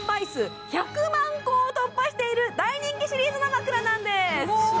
数１００万個を突破している大人気シリーズの枕なんです